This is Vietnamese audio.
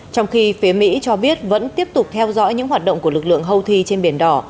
trong khi phía mỹ cho biết vẫn tiếp tục theo dõi những hoạt động của lực lượng houthi trên biển đỏ